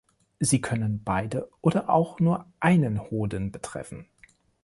Sie können beide oder auch nur einen Hoden betreffen.